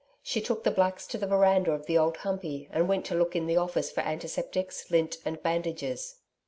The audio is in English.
She took the blacks to the veranda of the old Humpey and went to look in the office for antiseptics, lint and bandages.